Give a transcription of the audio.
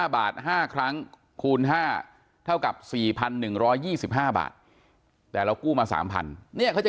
๕บาท๕ครั้งคูณ๕เท่ากับ๔๑๒๕บาทแต่เรากู้มา๓๐๐เนี่ยเขาจะ